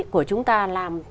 của chúng ta làm